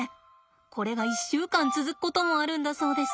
これが１週間続くこともあるんだそうです。